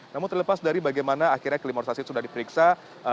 namun terlepas dari bagaimana akhirnya kelima saksi sudah diperiksa